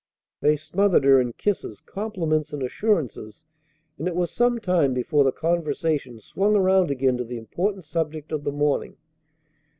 They smothered her in kisses, compliments, and assurances; and it was some time before the conversation swung around again to the important subject of the morning.